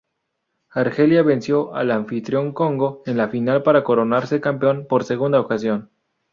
Argelia venció al anfitrión Congo en la final para coronarse campeón por segunda ocasión.